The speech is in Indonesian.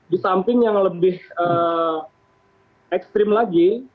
di samping yang lebih ekstrim lagi